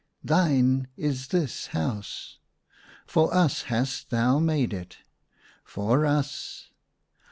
" Thine is this house." " For us hast thou made it." " For us."